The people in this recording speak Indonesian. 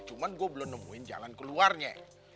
cuma gue belum nemuin jalan keluarnya